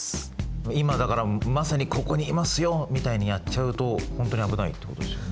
今だからまさにここにいますよみたいにやっちゃうと本当に危ないってことですよね。